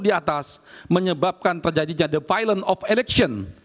di atas menyebabkan terjadinya the violent of election